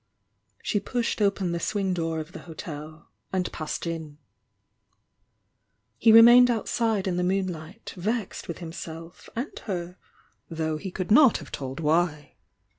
She pushed open the swing door of the hotel and He remained outside in the moonlight, vexed with himself and her, thou^ he could not have told why.